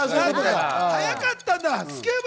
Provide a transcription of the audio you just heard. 早かったんだ。